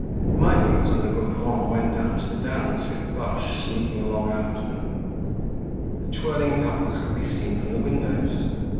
My Boots and the Gaudrons went down to the dance with Boche sneaking along after them. The twirling couples could be seen from the windows.